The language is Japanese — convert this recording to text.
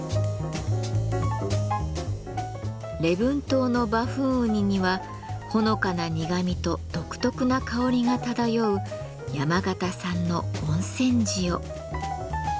礼文島のバフンウニにはほのかな苦みと独特な香りが漂う山形産の「温泉塩」。